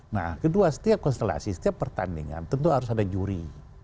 nah kedua setiap konstelasi setiap pertandingan tentu harus ada juri